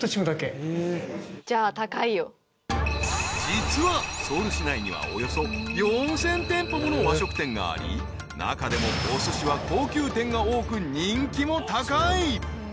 ［実はソウル市内にはおよそ４，０００店舗もの和食店があり中でもおすしは高級店が多く人気も高い］